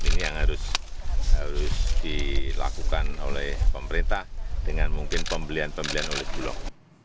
ini yang harus dilakukan oleh pemerintah dengan mungkin pembelian pembelian oleh bulog